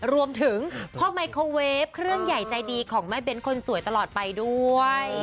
รวมถึงพ่อไมโครเวฟเครื่องใหญ่ใจดีของแม่เบ้นคนสวยตลอดไปด้วย